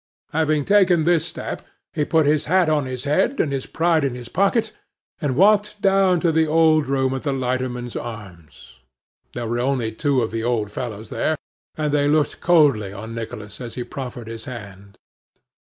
Having taken this step, he put his hat on his head, and his pride in his pocket, and walked down to the old room at the Lighterman's Arms. There were only two of the old fellows there, and they looked coldly on Nicholas as he proffered his hand.